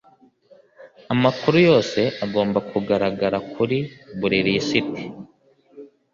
amakuru yose agomba kugaragara kuri buri lisiti